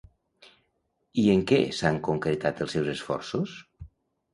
I en què s'han concretat els seus esforços?